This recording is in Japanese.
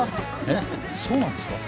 えっそうなんですか？